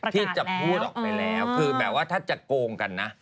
ที่จะพูดออกไปแล้วคือแบบว่าถ้าจะโกงกันนะ